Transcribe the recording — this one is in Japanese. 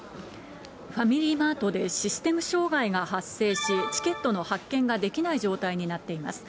ファミリーマートでシステム障害が発生し、チケットの発券ができない状態になっています。